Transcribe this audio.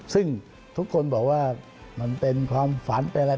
ซึ่งทุกคนบอกว่ามันเป็นความฝันเป็นอะไร